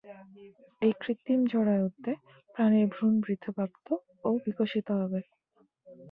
এই কৃত্রিম জরায়ুতে প্রাণীর ভ্রূণ বৃদ্ধিপ্রাপ্ত ও বিকশিত হবে।